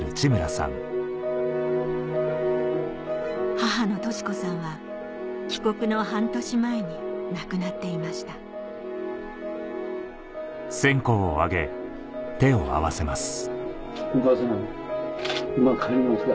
母のと志子さんは帰国の半年前に亡くなっていましたお母さん